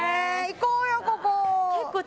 行こうよ、ここ。